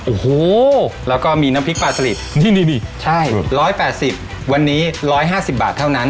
โอ้โหแล้วก็มีน้ำพริกปลาสลิดนี่ใช่๑๘๐วันนี้๑๕๐บาทเท่านั้น